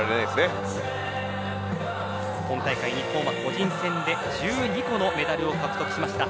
今大会、日本は個人戦で１２個のメダルを獲得しました。